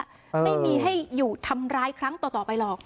ไม่มีให้อยู่ทำร้ายครั้งต่อต่อไปหรอก